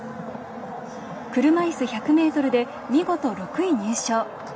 車いす１００ｍで見事６位入賞。